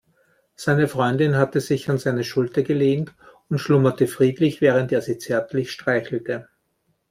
Seine Freundin hatte sich an seine Schulter gelehnt und schlummerte friedlich, während er sie zärtlich streichelte.